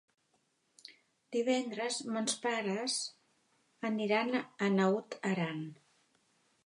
Divendres mons pares aniran a Naut Aran.